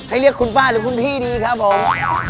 เรียกคุณป้าหรือคุณพี่ดีครับผม